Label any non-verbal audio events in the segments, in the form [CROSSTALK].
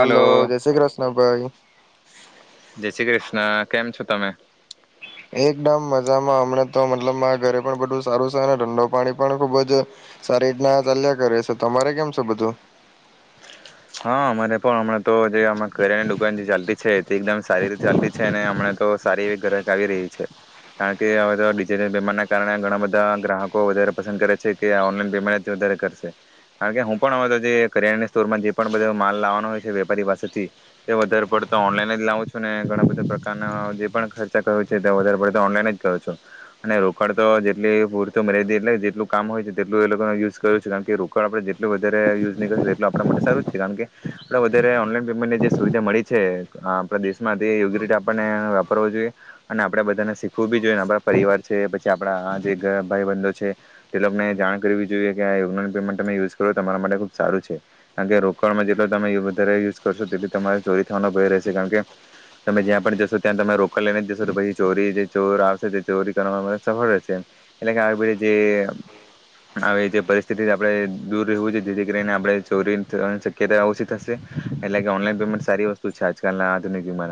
Hello જય શ્રી કૃષ્ણ. ભાઈ. જય શ્રી કૃષ્ણ કેમ છો તમે? એકદમ મજામાં હમણા તો મતલબ મા ઘરે પણ બધું સારું છે અને ઠંડો પાણી પણ ખુબ જ, સારી રીતના ચાલ્યા કરે છે તમારે કેમ છે બધું? હા અમારે પણ હમણાં તો જે કરિયાણાની દુકાન જે ચાલતી છે તે એકદમ સારી રીતે ચાલતી છે અને હમણા તો સારી એવી ગ્રક આવી રહી છે, કારણ કે હવે તોિજટલ પેમેન્ટના કારણે ઘણા બધા ગ્રાહકો વધારે પસંદ કરે છે કે ઓનલાઈન પેમેન્ટ જ વધારે કરશે, કારણ કે હું પણ તો જે કરિયાણા સ્ટોરમાં જે પણ બધો માલ લાવવાનો હોય છે વેપારી પાસેથી તે વધારે પડતો તો ઓનલાઈન જ લાવું છું ને ઘણા બધા પ્રકારના જે પણ ખર્ચા કર છે તે વધારે પડે તો ઓનલાઈન જ કરું છો અને રોકડ તો જેટલી પૂરતો મેી એટલે જેટલું કામ હોય છે તેટલું એ લોકોનો યુઝ કરું છ છે કારણ કે રોકડ આપડણે જેટલું વધારે યુઝ નહીં કરશું એટલું આપણા માટે સારું કારણ કે આપણે વધારે ઓનલાઈન પેમેન્ટને જે સુવિધા મળી છે આપણા દેશમાં તે યોગી રીતે આપણને વાપર જોઈએ, અને આપણે બધાને શીખવું બી જોઈએ આપણા પરિવાર છે પછી આપણા જે ભાઈ બંધો છે, તે લોકોને જાણ કરવી જોઈએ કે આનલાન પેમેન્ટ તમે યુઝ કરો તો તમારા માટે ખૂબ સારું છે, કારણ કે તમે વધારે યુઝ કરશો તેટ તમા ચોરી થવાનો ભય રહેશે કારણ, કે તમે જ્યાં પણ જશો ત્યાં તમે રોકાડ લઈને જશો તો પછી ચોરી જે ચોર આવશે તે ચોરી કરવાવામાં સફળ રહેશે, એટલે કે આવી જે આવી જે પરિસ્થિતિ આપે દૂર રહેવું છે જેથી કરીને આપણે ચોરી કે ત ઓછી થશે, એટલે કે ઓનલાઈન પેમેન્ટ સારી વસ્તુ છે આજકાલના આધુનિકમા,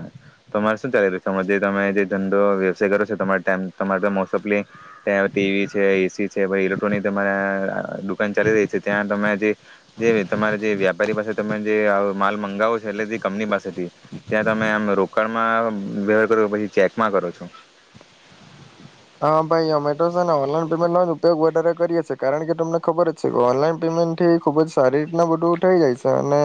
તમારે શું ચાલી રહ્યું છે જે તમે જે ધંધો વ્યવસાય કરો છો તમા તમારે મોફલી તં ટીવી છે એસી છે ઇલેક્ટ્રોનિક તમારા દુકાન ચાલી રહી છે, ત્યાં તમે જે તમારે જે્યા વારી પાસે તમે જે માલ મંગાવો છો એટલે જે કંપની પાસેથી, ત્યાં તમે આમ રોકાણમાં વવાર કરો છ પછી ચેકમાં કરો છો? હા ભાઈ ઝોમેટો છે ને ઓનલાઈન પેમેન્ટનો જ ઉપયોગ વધારે કરીએ છીએ કારણ કે તમને ખબર જ છે કે ઓનલાઈન પેમેન્ટ થી ખૂબ જ સારી રીતના બધું થઈ જાય છે, અને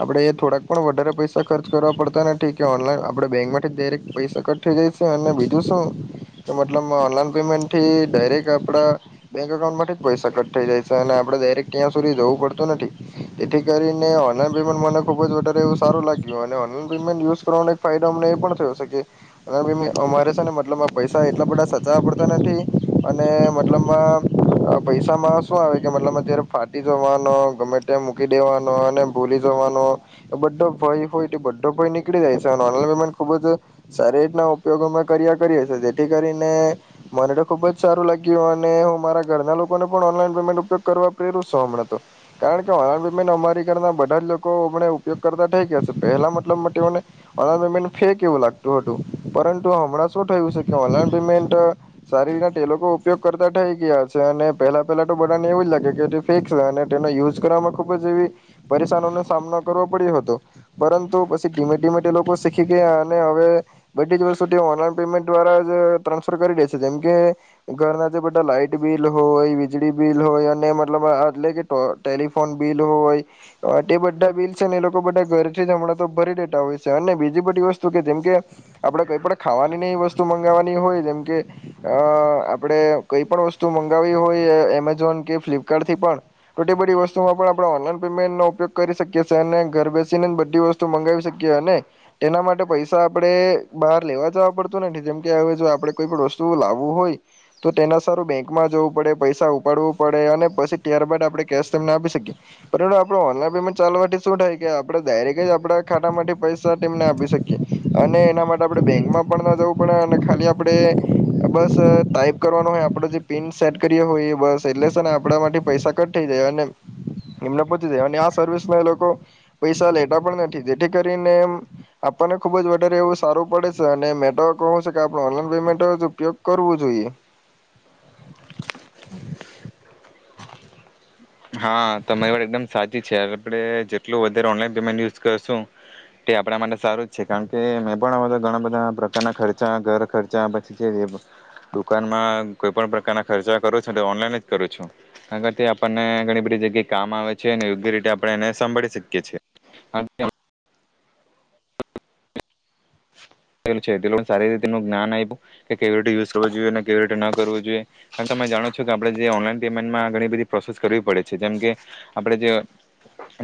આપડે એ થોડાક પણ વધારે પૈસા ખર્ચ કરવા પડતા નથી કે ઓનલાઈન આપણે બેંકમાંથી જ ડાયરેક પૈસા કટ થઈ જાય છે અને બીજું શું. લ ઓનલાઈન પેમેન્ટ થી ડાયરેક્ટ આપણા બેંક અકાઉન્ટમાંથી પૈસા કટ થઈ જાય છે અને આપડણે ડાયરેક્ટ ત્યાં સુધી જવું પડતું નથી, એથી કરીને ઓનલાઈન પેમેન્ટ મને ખુબ જ વધારે એવું સારું લાગ્યું અને ઓનલાઈન પેમેન્ટ યુઝ કરવાનો એક ફાયદો અમને એ પણ થયો છે કે, અમારે છે ને મતલબ પૈસા એટલા બધા સચવા પડતા નથી, અને મતલબમાં પૈસામાં શું આવે કે મતલબ અત્યારે ફાટી જવાનો ગમે તે મૂકી દેવાનો અને ભૂલી જવાનો, બધો ભય હોય તો બધો ભય નીકળી જાય છે અને ઓનલાઈન પેમેન્ટ ખુબ જ, સારી રીતના ઉપયોગો કર્યા કરીએીએ જેથી કરીને મને તો ખુબ જ સારું લાગ્યું અને હું મારા ઘરના લોકોને પણ ઓનલાઈન પેમેન્ટ ઉપયોગ કરવા પ્રેરુ છ હમણાં તો, કારણ કે ઓનલાન પેમેન્ટ અમારી ઘરના બધા જ લોકો હમ ઉપયોગ કરતા થઇ ગયા છે પેલા મતલબ, માટેને પેમેન્ટ ફેક એવું લાગતું હતું પરંતુ હમં શું થયું છે કે ઓનલાન પેમેન્ટ, સારી રીતના તે લોકો ઉપયોગ કરતાં થઈ ગયા છે અને પહેલાં પહેલાં તો બધાને એવું જ લાગે કે તે ફેસ અને તેનો યુઝ કરવામાં ખૂબ જ એવી, પરેશાનોનો સામનો કરવો પડ્યો હતો પરંતુ પછી ધીમે ધીમે તે લોકો શીખી ગયા અને હવે બધી જ વસ્ત સુધી ઓનલાઈન પેમેન્ટ દ્વારા જ ટ્રાન્સફર કરી દે જેમ કે, ઘરના જે બધા લાાઈટ બિલ હોય વીજળી બિલ હોય અને મતલબ એટલે કે ટેલિફોન બિલ હોય, એ બધા બિલ છે ને એ લોકો બધા ઘરથી જ હમણાં તો ભરી દેતા હોય છે અને બીજી બધી વસ્તુ કે જેમ કે, આપડે કઈ પણ ખાવાની એ વસ્તુ મગાવવાની હોય તેમ કે, આપણે કઈ પણ વસ્તુ મંગાવ હોય એમેઝોન કે ફ્લિપકાર્ટ થી પણ, તો બધી વસ્તુમાં પણ આપણે ઓનલાઈન પેમેન્ટ નો ઉપયોગ કરી શકીએ, અને ઘર બેસીને જ બધી વસ્તુ મંગાવી શકીએ અને તેના માટે પૈસા આપડણે બહાર લેવા જવા પડતું નથી જેમકે હવે જો આપણે કોઈ પણ વસ્તુ લાવવું હોય. તો તેના સારું બેંકમાં જવું પડે, પૈસા ઉપાડવું પડે, અને પછી ત્યાર બાદ આપણે કેશ તેમને આપી શકીએ. પતેલ આપણે ઓનલાઈન પેમેન્ટ ચાલવાથી શું થાય કે આપણે ડાયરેક્ટ જ આપણા ખાતામાંથી પૈસા તેમને આપી શકીએ. અને એના માટે આપણે બેંકમાં પણ ન જવું પડે અને ખાલી આપણે બસ ટાઈપ કરવાનું હોય. આપડો જે પિન સેટ કરીયો હોય બસ એટલે શેને આપડા માથી પૈસા કટ થઇ જાય. અને એમને પોચી જાય. અને આ સર્વિસમાં એ લોકો પૈસા લેતા પણ નથી. જેથી કરીને એમ આપણને ખુબ જ વધારે એવું સારું પડે શે. અને મેતો કવું શુકે આપ ઓનલાઈન પેમેન્ટ તજ ઉપયોગ કરવો જોઈએ. હા તમારી વાર એકદમ સાચી છે. આપણે જેટલું વધારે ઓનલાઈન પેમેન્ટ યુઝ કરશું, તે આપણા માટે સારું જ છે. કારણ કે મે પણ આ બધા ઘણા બધા પ્રકારના ખર્ચા ઘર ખર્ચા પછી છે દુકાનમાં કોઈ પણ પ્રકારના ખર્ચા કરુ છુ, તે ઓનલાઈન જ કરું છું. કારણકે આપણને ઘણી બધી જગ્યાએ કામ આવે છે. અને યોગ્ય રીતે આપણે એને સાંભળી શકીએ છેએ કે છે તે સારી રીતે તેનું જ્ઞાન આપ્યું. કે કેવી રીતે યુઝ કરવો જોઈએ. ને કેવી રીતે ન કરવું જોઈએ. તમે જાણો છો કે આપણે જે ઓનલાઈન પેમેન્ટમાં ઘણી બધી પ્રોસેસ કરવી પડે છે. જેમકે આપણે જે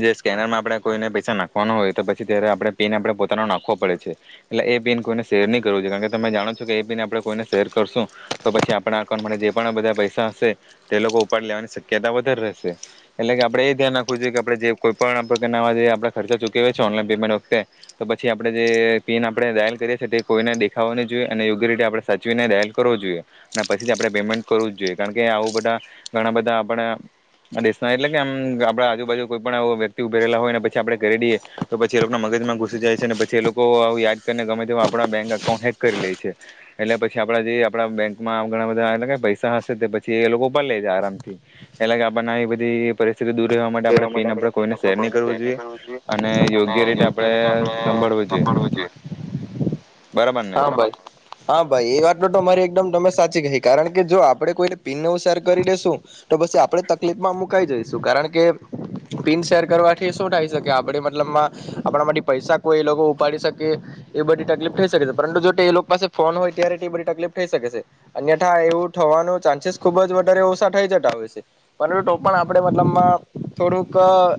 જે સ્કેનરમાં આપણે કોઈને પૈસા નાખવાનો હોય, તો પછી ત્યારે આપણે પીન આપણે પોતાનો નાખવો પડે છે. એટલે એ પીન કોઈને શેર નહીં કરવું જોઈએ. કારણ કે તમે જાણો છો કે એ બિન આપણે કોઈને શેર કરશું તો પછી આપણા અકાઉન્ટ માટે જે પણ બધા પૈસા હશે તે લોકો ઉપાડ લેવાની શક્યતા વધારે રહેશે. એટલે કે આપણે એ ધ્યાન રાખવું જોઈએ કે, આપણે જે કોઈ પણ પ્રકારનાવા જે આપણા ખર્ચા ચૂકીવો છો ઓનલાઈન પેમેન્ટ વખતે તો પછી આપણે જેએ પીન આપણે ડાયલ કરીએ છીએ તે કોઈને દેખાવો નહી જોઈએ. અને યોગ્યરીતે આપણે સાચવીને ડાયલ કરવો જોઈએ. અને પછી આપણે પેમેન્ટ કરવું જ જોઈએ. કારણ કે આવું બધા ઘણા બધા આપણા દેશના એટલે કે આમ આપડા આજુબાજુ કોઈ પણ આવુ વ્યક્તિ ઉભે રહેલા હોય ને પછી આપણેે કરી દઈએ તો પછી એ લોકોના મગજમાં ઘુસી જાય છે અને પછી એ લોકો આવુ યાદ કરીને ગમે તે આપણા બેંક અકાઉન્ટ હેક કરી લે છે. એટલે પછી આપડા જે આપડા બેંકમાં ઘણા બધા એટલેકે પૈસા હશે તે પછી એ લોકો ઉપડીલે છે આરામ થી. એટલે કે આપણને એ બધી પરી ટી દૂર રહેવા માટે આપણે પીન આપણેે કોઈને શેર નહી કરવું જોઈએ. અને યોગ્ય રીતે આપણે સાંભળવું જોઈએ. બરાબર ને હા એ તો ભાઈ હા ભાઈ એ વાત તોરી એકદમ તમે સાચી કહી. કારણ કે જો આપણે કોઈને પિનનુ સેર કરી દેેશું તો પછી આપડે તકલીફ માં મુકાઈ જઈશું. કારણ કે પિન શેર કરવાથી શું થાય શકે આપણે મતલબમાં આપણા માટેથી પૈસા કોઈ એ લોકો ઉપાડી શકે. એ બધી તકલીફ થઈ શકે છે. પરંતુ જો એ લોકો પાસે ફોન હોય ત્યારે તે બધી તકલીફ થઈ શકે છે. અન્યથા એવું થવાનું ચાન્સીસ ખુબ જ વધારે ઓશા થઈ જતા હોય છે. પરંતુ તો પણ આપણે મતલબમાં થોડુંક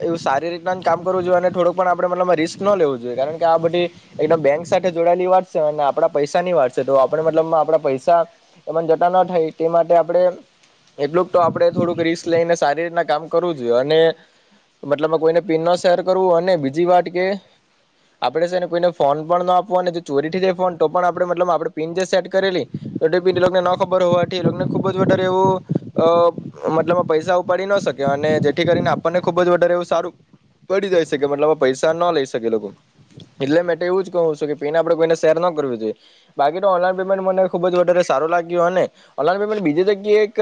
એવું સારી રીતના કામ કરવું જોઈએ. અને થોડુંક પણ આપણે મતલબમાં રિસ્ક ન લેવું જોઈએ. કારણ કે આ બધી એકદમ બેંક સાથે જોડાયેલી વાત શે. અને આપડા પૈસા ની વાત શે. તો આપણે મતલબમાં આપડા પૈસા એમાં જતા ન થાય. તે માટે આપણે એટલુંક તો આપડે થોડુંક રિસ્ક લઈને સારી રીતના કામ કરું જેવા ને મતલબ મા કોઈને પીન ન શેર કરવું. અને બીજી વાત કે આપણે છે ને કોઈને ફોન પણ ન આપવો. નેજે ચોરીથી જે ફોન તો પણ આપડે મતલબ આપડે પીન જે સેટ કરેલી [UNINTELLIGIBLE] ન ખબર હોવાથી એ લોકને ખુબજ વધારે એવું અ મતલબ પૈસા ઉપાડી ન શકે. અને જે થી કરીને આપણને ખુબ જ વધારે એવું સારું પડી જાય છે. કે મતલબ પૈસા ન લઈ શકે એ લોકો. એટલે મે તો એવું જ કહુ છું કે પિન આપડે કોઈને શેર ન કરવી જોઈએ. બાકી તો ઓનલાઇન પેમેન્ટ મને ખુબજ વધારે સારું લાગ્યું. અને ઓનલા પમેન્ટ બીજી જગ્યાએ એક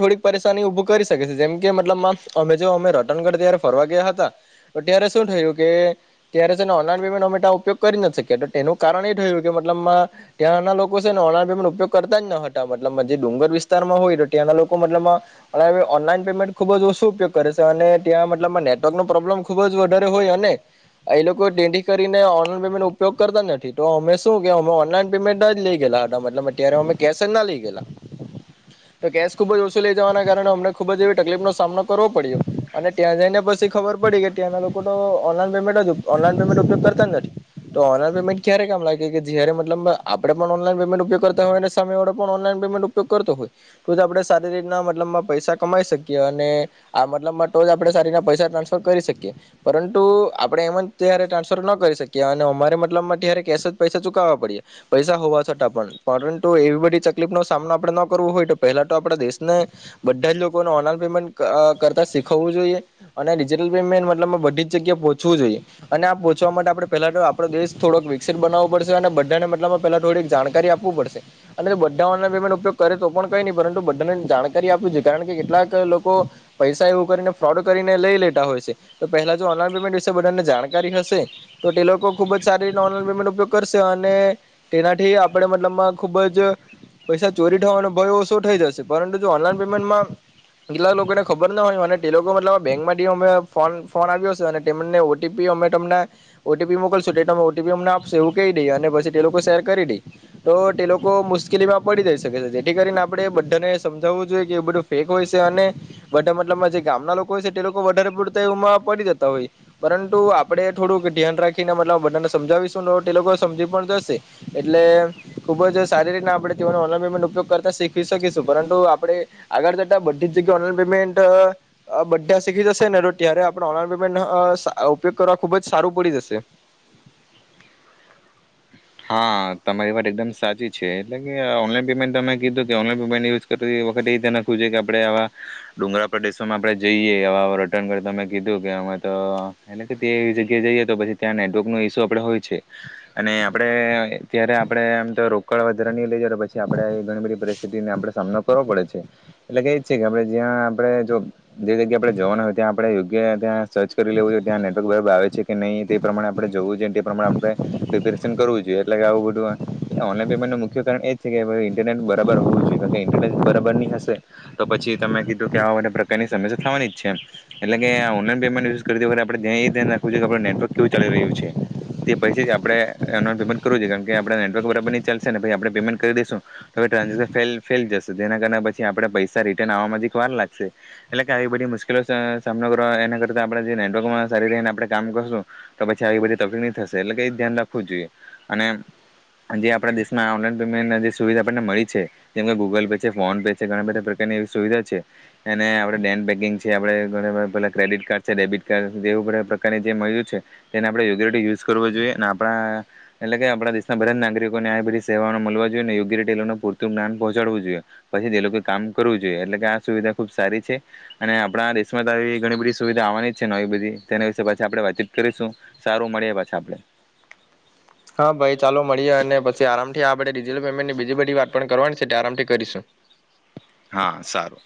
થોડીક પરેશાની ઉભું કરી શકે છે. જેમ કે મતલબમા અમે જો અમે રતનગઢ જ્યારે ફરવા ગયા હતા. તો ત્યારે શું થયું કે ત્યારે છે ને ઓનલાઈન પેમેન્ટ અમે ઉપયોગ કરી નત શક્યા. એનું કારણ એ થયું કે મતલબમાં ત્યાંના લોકો છે ને ઓનલાઈન પેમેન્ટ ઉપયોગ કરતા જ ન હતા. મતલબ મા જે ડુંગર વિસ્તારમાં હોય તો ત્યાંના લોકો મતલબ મા ઓનલાઈન પેમેન્ટ ખુબ જ ઓછું કરે છે. અને ત્યાં મતલબમાં નેટવર્કનો પ્રોબ્લમ ખુબ જ વધારે હોય. અને એ લોકો દેનઢી કરીને ઓનલાઈન પેમેન્ટ નો ઉપયોગ કરતા નથી. તો અમે શું કે અમો ઓનલાઈન પેમેન્ટ જ લઈ ગયેલા હતા. મતલબમા ત્યારે અમે કેશ જ ના લઈ ગેલા. તો કેશ ખુબ જ ઓછું લઈ જવાના કારણે અમને ખુબ જ એવી તકલીફ નો સામનો કરવો પડ્યો. અને ત્યાં જઈને પછી ખબર પડી કે ત્યાંના લોકો તો ઓનલાઈન પેમેન્ટ જ ઓનલાઈન પેમેન્ટ ઉપયોગ કરતા જ નથી. તો ઓનલાઈન પેમેન્ટ ક્યારે કામ લાગે કે, જયારે મતલબમા આપણે પણ ઓનલાઈન પેમેન્ટ ઉપયોગ કરતા હોય. અને સામે વાળો પણ ઓનલાઈન પેમેન્ટ ઉપયોગ કરતો હોય. તો જ આપડે સારી રીતના મતલબમાં પૈસા કમાઈ શકીએ. અને આ મતલબમાં તો જ આપડણે સારીતના પૈસા ટ્રાન્સફર કરી શકીએ. પરંતુ આપડે એમ જ ત્યારે ટ્રાન્સફર ન કરી શકીએ. અને અમારે મતલબમાં ત્યારે કેશ જ પૈસા ચુકવવા પડીયા. પૈસા હોવા છતાં પણ. પરંતુ એવી બધી તકલીફ નો સામનો આપડણે ન કરવો હોય, તો પહેલા તો આપડા દેશને બધા જ લોકોને ઓલાઈન પેમેન્ટ ક કરતાં શીખવવું જોઈએ. અને ડિજિટલ પેમેન્ટ મતલબમાં બધીજ જગ્યાએ પહોંચવું જોઈએ. અને આ પહોંચવા માટે આપણે પહેલાં આપણો દેશ થોડોક વિકસિત બનાવવો પડશે. અને બધાને મતલબમાં પહેલાં થોડીક જાણકારી આપવું પડશે. અને જો બધા ઓનલઈન પેમેન્ટ ઉપયોગ કરે તો પણ કંઈ નહીં. પરંતુ બધાને જાણકારી આપવી જોઈએ. કારણ કે કેટલાક લોકો પૈસા એવું કરીને ફ્રોડ કરીને લઈ લેતા હોય છે. તો પહેલા જો ઓનલાઈન પેમેન્ટ વિશે બધાને જાણકારી હશે, તો તે લોકો ખુબ જ સારી રીતે ઓનલાન પેમેન્ટ ઉપયોગ કરશે. અને તેનાથી આપણે મતલબમાં ખુબ જ પૈસા ચોરી થવાનો ભય ઓશો થઈ જશે. પરંતુ જો ઓનલાઈન પેમેન્ટમાં કેટલા લોકોને ખબર ના હોય. અને તે લોકો મતલબમા બેંકમાંથી અમે ફોન ફોન આવ્યો શે. અને તેમને ઓટીપી અમે તમને ઓટીપી મોકલશું. તેતો ઓટીપી અમને આપશે એવું કહી દઈએ. અને પછી તે લોકો શેર કરી દે. તો તે લોકો મુશકેલીમાં પડી જાય શકે છે. જેથી કરીને આપણેે બધાને સમજાવવું જોઈએ કે એ બધું ફેક હોય છે. અને બધા મતલબમા જે ગામના લોકો હોય છે, તે લોકો વધારે પૂરતે એમાં પડી જતા હોય. પરંતુ આપડે થોડુંક ધ્યાન રાખીને મતલબ બધાને સમજાવીશું તે લોકો સમજી પણ જશે. એટલે ખુબ જ સારી રીતના આપડે ઓનલાન પેમેન્ટ ઉપયોગ કરતા શીખવી શકીશું. પરંતુ આપણેે આગળ જતા બધી જગ્યાએ ઓનલાઇન પેમેન્ટ અ બધા શીખી જશે ને તો ત્યારેઆપડે ઓનલાનેમેન્ટ નો સઅ ઉપયોગ કરવા ખુબજ સારું પડી જશે. હા તમારી વાત એકદમ સાચી છે. એટલે કે ઓનલાઈન પેમેન્ટ તમે કીધું કે, ઓનલાન પેમેન્ટ યુઝ કતરી વખતે એ ધ્યાન નાખવું જોઈએ કે આપણે આવા ડુંગરા પ્રદેશોમાં આપણે જઈએ આવા રટર્નમે કીધું કે અમે તો એટલે કે તે જગ્યાએ જઈએ તો પછી ત્યાં નેટવર્ક ન ઇસ્યુ પણ હોય છે. અને આપણે ત્યારે આપડે આમતો રોકડ વધારે નહી લઈ જઈએ, તો પછી આપડણે ઘણી બધી પરિસ્થિતિને આપડણે સામનો કરવો પડે છે. એટલે કે જ છે કે આપે જ્યાં આપણેે જો જે જગ્યા આપણે જવાના હોય ત્યાં આપણે યોગ્ય ત્યાં સર્ચ કરી લેવું જોઈએ ત્યાં નેટવર્ક બરાબર આવે છે કે નહીં, તે પ્રમાણે આપણેેવું જોઈએ તે પ્રમાણે આપણે કરવું જોઈએ એટલે કે આવું બધું ઓનલાઈન પેમેન્ટ ન મુખ્ય કારણ એ જ છે કે ઇન્ટરનેટ બરાબર હોવું જોઈએ. કારણ કે ઇન્ટરનેટ બરાબર નહી હશે તો પછી તમે કીધું કે આવા બધા પ્રકારની સમસ્યા થવાની જ છે. એટલે કે ઓનલાઈન પેમેન્ટ યુઝ કરતી વખતે આપણે ત્યા એ ધ્યાન રાખવું જો કે આપ નેટવર્ક કેવું ચાલી રહ્યું છે. તે પછી જ આપણે એન પેમેન્ટ કરવું જોઈએ કારણ કે આપણે નેટવર્ક બરાબર નની ચાલશે ને પ આપણે પેમેન્ટ કરી દઈશું તો ટ્રાન્ઝેક્શન ફેલ ફેલ જશે. જેના કારણે પછી આપણે પૈસા રિટર્નવાવામાંમાંજી એક વાર લાગશે એટલે કે આવી બધી મુશ્કેલો સામનો કરવા એના કરતા આપણે જે નેટવર્કમાં સારી રને આપડણે કામ કરશું તો પછી આવી બધી તકફ ન થશે એટલે કે ધ્યાન રાખ રાખવું જોઈએ. અને જે આપણા દેશમાં ઓનલાઈન પેમેન્ટ જે સુવિધા આપણને મળી છે. જેમ કે ગૂગલ પે છે, ફોન પે છે ઘણા બધા પ્રકારની એવી સુવિધા છે એને આપણે નેટ બેેકિંગ છે, આપણે ઘણા બધા પેલા ક્રેડિટ કાર્ડ છે, ડેબિટ કાર્ડ એવું બધા પ્રકારની જે મળ્યું છે. તેને આપણે યોગ્યરિટી યુઝ કરવો જોઈએ. આપ આપણા એટલે કે આપણા દેશના બધા જ નાગરિકોને આ બધી સેવાઓ મળવા જોઈએ. ને યોગ્ય રીતે લોકોને પૂરતું જ્ઞાન પહોચાડવું જોઇએ. પછી એ લોકો કામ કરવું જોઈએ. એટલે કે આ સુવિધા ખુબ સારી છે. અને આપણા દેશમાં તો આવી ઘણી બધી સુવિધા આવવાની જ છે નવી બધી. તેના વિશેછી આપણે વાતચીત કરીશું. સારું મળીએ પાછી આપડણે હા ભાઈ ચાલો મળીએ. અને પછી આરામથી આપડે ડિજિટલ પેમેન્ટની બીજી બધી વાત પણ કરવાની છે. આરામથી કરીશું. હા સારું.